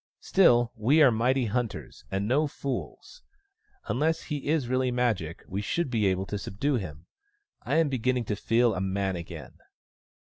" Still, we are mighty hunters, and no fools : unless he is really Magic we should be able to subdue him. I am beginning to feel a man again."